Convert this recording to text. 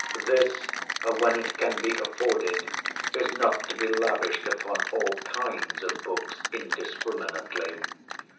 This, when it can be afforded, is not to be lavished upon all kinds of books indiscriminately.